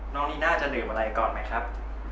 น้องนี่น่าจะลืมอะไรก่อนไหมครับ